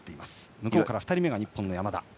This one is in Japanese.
向こうから２人目が日本の山田。